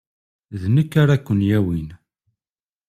D nekk ara ken-yawin.